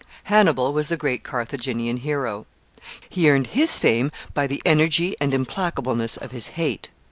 Hannibal was the great Carthaginian hero. He earned his fame by the energy and implacableness of his hate.